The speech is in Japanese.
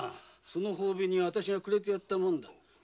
その褒美にわたしがくれてやったものだ。